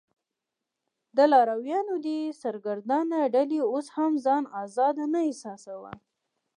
د لارویانو دې سرګردانه ډلې اوس هم ځان آزاد نه احساساوه.